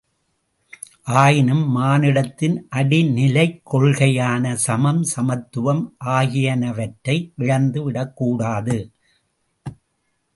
ஆயினும் மானிடத்தின் அடிநிலைக் கொள்கையான சமம், சமத்துவம் ஆகியனவற்றை இழந்து விடக்கூடாது.